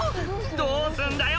どうすんだよ